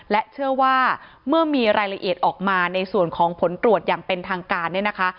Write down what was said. และเชื่อว่าเมื่อมีรายละเอียดออกมาในส่วนของผลตรวจอย่างเป็นทางการเนี่ยนะคะ